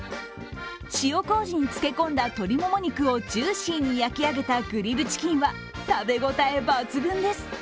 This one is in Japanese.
塩こうじにつけこんだ鶏もも肉をジューシーに焼き上げたグリルチキンは食べ応え抜群です。